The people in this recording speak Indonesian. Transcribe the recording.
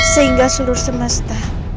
sehingga seluruh semesta